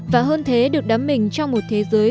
và hơn thế được đắm mình trong một thế giới